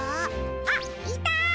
あっいた！